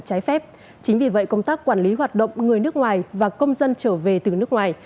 trái phép chính vì vậy công tác quản lý hoạt động người nước ngoài và công dân trở về từ nước ngoài